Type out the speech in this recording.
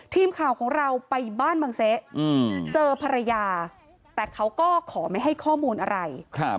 ทีมข่าวของเราไปบ้านบังเซเจอภรรยาแต่เขาก็ขอไม่ให้ข้อมูลอะไร